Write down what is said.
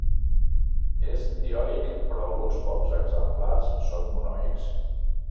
És dioic però alguns pocs exemplars són monoics.